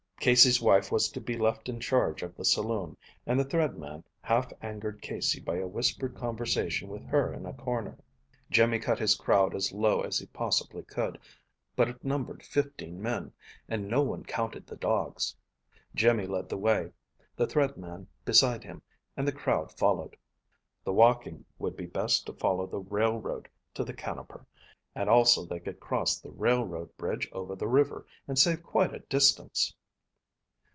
Casey's wife was to be left in charge of the saloon, and the Thread Man half angered Casey by a whispered conversation with her in a corner. Jimmy cut his crowd as low as he possibly could, but it numbered fifteen men, and no one counted the dogs. Jimmy led the way, the Thread Man beside him, and the crowd followed. The walking would be best to follow the railroad to the Canoper, and also they could cross the railroad bridge over the river and save quite a distance.